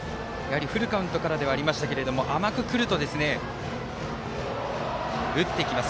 フルカウントからではありましたけれども甘くくると、打ってきます。